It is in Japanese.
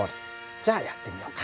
じゃあやってみようか。